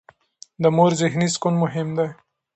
د مور ذهني سکون مهم دی.